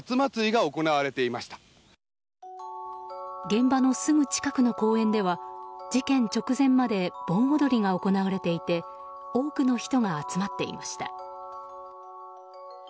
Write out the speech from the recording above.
現場のすぐ近くの公園では事件直前まで盆踊りが行われていて多くの人が集まっていました。